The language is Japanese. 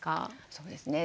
そうですね。